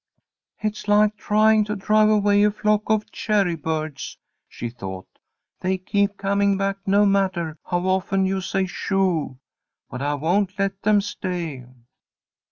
"It's like trying to drive away a flock of cherry birds," she thought. "They keep coming back no matter how often you say shoo! But I won't let them stay."